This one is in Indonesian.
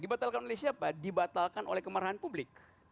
dibatalkan oleh siapa dibatalkan oleh kemarahan publik